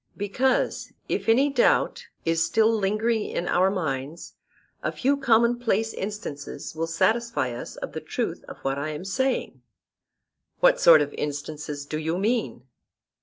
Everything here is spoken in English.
Because, if any doubt is still lingering in our minds, a few commonplace instances will satisfy us of the truth of what I am saying. What sort of instances do you mean?